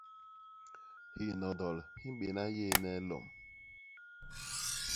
Hinodol hi mbéna yééne lom.